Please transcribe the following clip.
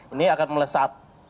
ini akan meleset